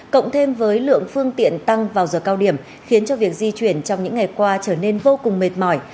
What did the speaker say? cộng thêm với lượng phương tiện tăng vào giờ cao điểm khiến cho việc di chuyển trong những ngày qua trở nên vô cùng mệt mỏi